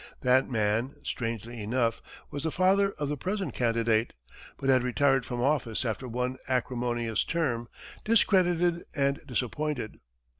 That man, strangely enough, was the father of the present candidate, but had retired from office after one acrimonious term, discredited and disappointed.